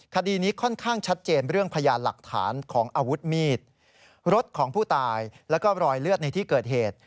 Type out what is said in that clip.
คดีนี้ค่อนข้างชัดเจนเรื่องพยานหลักฐานของอาวุธมีดรถของผู้ตายแล้วก็รอยเลือดในที่เกิดเหตุ